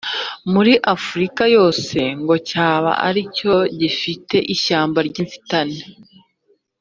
muri Afurika yose ngo cyaba ari cyo gifite ishyamba ry’inzitane